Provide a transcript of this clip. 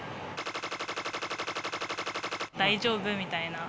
大丈夫みたいな。